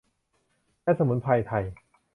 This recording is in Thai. และสมุนไพรไทย